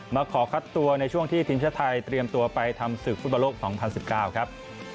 มาขอคัดตัวในช่วงที่ทีมชาติไทยเตรียมตัวไปทำศึกฟุตบอลโลก๒๐๑๙ครับ